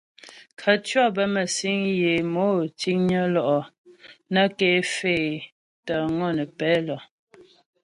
Khətʉɔ̌ bə mə́sîŋ yə é mò ciŋnyə lo'o nə́ ké faə́ é tə́ ŋɔnə́pɛ lə.